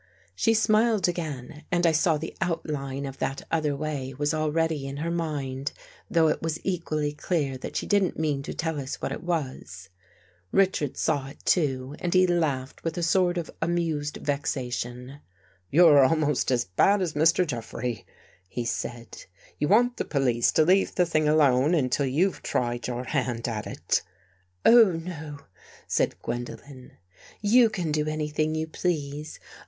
She smiled again and I saw the outline of that other way was already in her mind, though it was equally clear that she didn't mean to tell us what it was. Richards saw it, too, and he laughed with a sort of amused vexation. " You're almost as bad as Mr. Jeffrey," he said. " You want the police to leave the thing alone until you've tried your hand at it." " Oh, no," said Gwendolen. " You can do any thing you please.